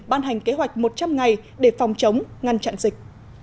ban hành kế hoạch một trăm linh ngày để phòng chống ngăn chặn dịch